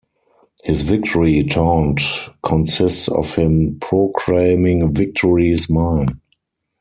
His victory taunt consists of him proclaiming Victory is mine!